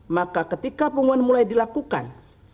maka ketika pengumuman mulai dilakukan